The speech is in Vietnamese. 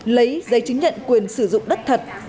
lấy giấy chứng nhận quyền sử dụng đất thật